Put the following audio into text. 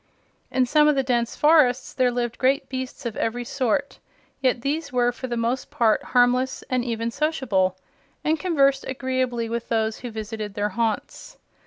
In some of the dense forests there lived great beasts of every sort; yet these were for the most part harmless and even sociable, and conversed agreeably with those who visited their haunts.